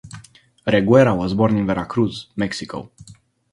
Reguera was born in Veracruz, Mexico.